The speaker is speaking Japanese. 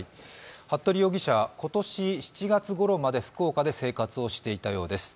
服部容疑者は今年７月ごろまで福岡で生活をしていたようです。